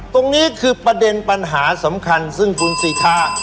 ตรงนี้คือประเด็นปัญหาสำคัญซึ่งคุณสิทธา